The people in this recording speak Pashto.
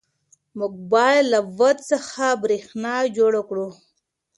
موږ باید له باد څخه برېښنا جوړه کړو.